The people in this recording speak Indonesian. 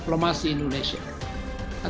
mereka akan melanjakan